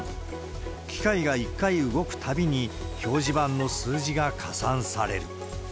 機械が１回動くたびに、表示板の数字が加算される。